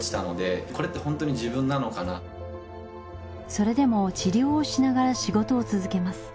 それでも治療をしながら仕事を続けます。